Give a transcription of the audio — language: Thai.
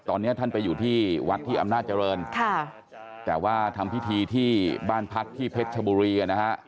ตอนนี้ท่านไปอยู่ที่วัดที่อำนาจริงค่ะแต่ว่าทำพิธีที่บ้านพักที่เพชรชบุรีนะฮะ